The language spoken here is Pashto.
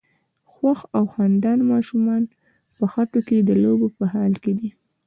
خوښ او خندان ماشومان په خټو کې د لوبو په حال کې دي.